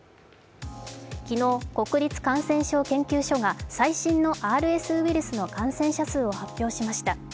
昨日、国立感染症研究所が最新のＲＳウイルスの感染者数を発表しました。